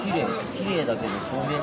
きれいだけどえ？